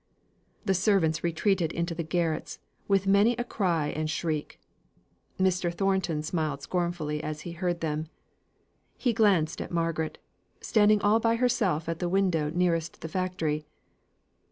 The servants retreated into the garrets, with many a cry and shriek. Mr. Thornton smiled scornfully as he heard them. He glanced at Margaret, standing all by herself at the window nearest the factory.